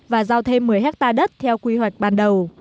và giao thêm một mươi hectare đất theo quy hoạch ban đầu